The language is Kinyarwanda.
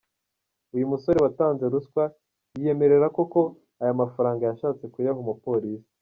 Uyu musore watanze ruswa, yiyemerera ko koko ayo mafaranga yashatse kuyaha umupolisi.